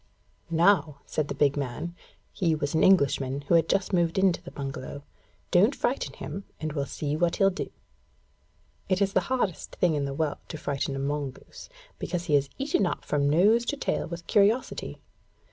'Now,' said the big man (he was an Englishman who had just moved into the bungalow); 'don't frighten him and we'll see what he'll do.' It is the hardest thing in the world to frighten a mongoose, because he is eaten up from nose to tail with curiosity.